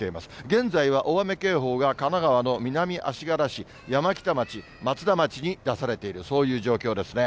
現在は大雨警報が神奈川の南足柄市、山北町、松田町に出されている、そういう状況ですね。